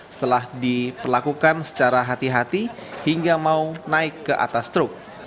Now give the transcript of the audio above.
setelah diperlakukan secara hati hati hingga mau naik ke atas truk